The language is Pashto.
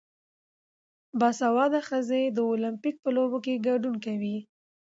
باسواده ښځې د اولمپیک په لوبو کې ګډون کوي.